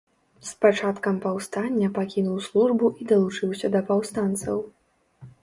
З пачаткам паўстання пакінуў службу і далучыўся да паўстанцаў.